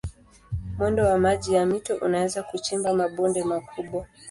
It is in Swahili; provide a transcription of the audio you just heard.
Mwendo wa maji ya mito unaweza kuchimba mabonde makubwa.